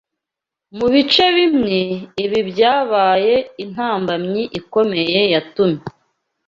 Mu bice bimwe, ibi byabaye intambamyi ikomeye yatumye